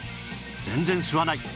「全然吸わない」